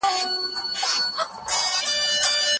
اقتصاد د ټولنې رفاه زیاتولو لارې ښيي.